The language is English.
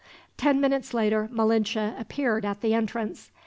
Ten minutes later Malinche appeared at the entrance.